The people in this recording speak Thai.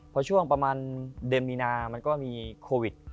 พอช่วงประมาณเดือนมีนามันก็มีโควิด